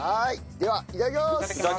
ではいただきます！